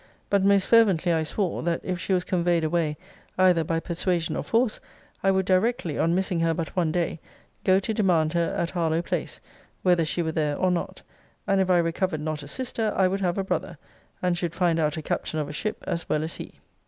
But most fervently I swore, that if she was conveyed away, either by persuasion or force, I would directly, on missing her but one day, go to demand her at Harlowe place, whether she were there or not; and if I recovered not a sister, I would have a brother; and should find out a captain of a ship as well as he.'